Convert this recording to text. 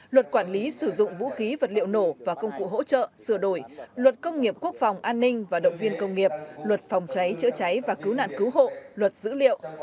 luật quản lý sử dụng vũ khí vật liệu nổ và công cụ hỗ trợ sửa đổi luật công nghiệp quốc phòng an ninh và động viên công nghiệp luật phòng cháy chữa cháy và cứu nạn cứu hộ luật dữ liệu